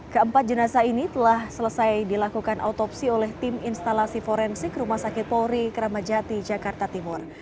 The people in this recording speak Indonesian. keempat jenazah ini telah selesai dilakukan autopsi oleh tim instalasi forensik rumah sakit polri kramajati jakarta timur